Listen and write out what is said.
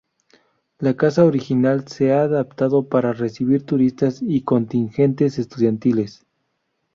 La casa original se ha adaptado para recibir turistas y contingentes estudiantiles.